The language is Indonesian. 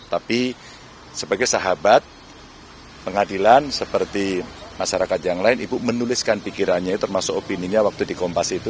tapi sebagai sahabat pengadilan seperti masyarakat yang lain ibu menuliskan pikirannya termasuk opininya waktu di kompas itu